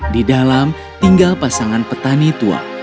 di dalam tinggal pasangan petani tua